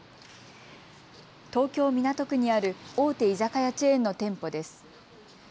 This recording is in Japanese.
東京港区にある大手居酒屋チェーンの店舗です。